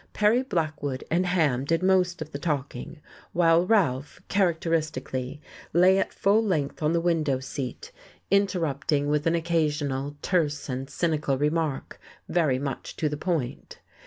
Perry Blackwood and Ham did most of the talking, while Ralph, characteristically, lay at full length on the window seat, interrupting with an occasional terse and cynical remark very much to the point.